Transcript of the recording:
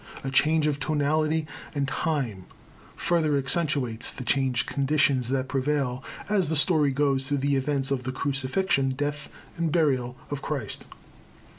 A change of tonality and time further accentuates the changed conditions that prevail as the story goes through the events of the crucifixion, death and burial of Christ.